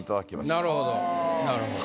なるほどなるほど。